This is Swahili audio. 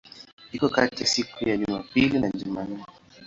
Iko kati ya siku za Jumapili na Jumanne.